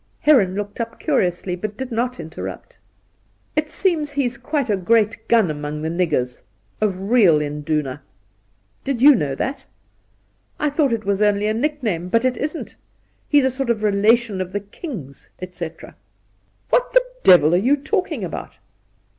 Heron looked up curiously, but did not interrupt. ' It seems he's quite a great gun among the niggers — a real Induna. Did you know that ? I thought it was only a nickname, but it isn't. He's a sort of relation of the king's, etc' ' What the devil are you talking about